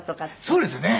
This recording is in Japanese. そうですね。